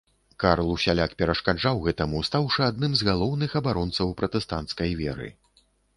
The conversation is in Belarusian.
Карл усяляк перашкаджаў гэтаму, стаўшы адным з галоўных абаронцаў пратэстанцкай веры.